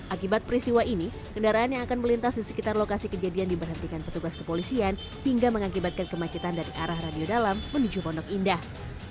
akibat peristiwa ini kendaraan yang akan melintas di sekitar lokasi kejadian diberhentikan petugas kepolisian hingga mengakibatkan kemacetan dari arah radio dalam menuju pondok indah